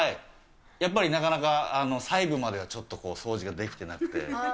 やっぱりなかなか、細部までは、ちょっとこう、掃除ができてなくて。